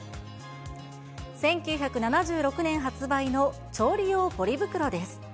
１９７６年発売の調理用ポリ袋です。